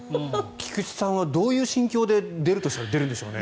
菊池さんはどういう心境で出るんですかね。